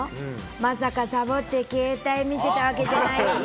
まさかサボって携帯見てたわけじゃないよね。